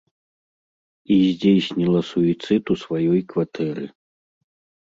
І здзейсніла суіцыд у сваёй кватэры.